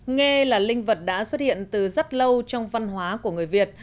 nghe là linh vật đã xuất hiện từ rất lâu trong văn hóa của người việt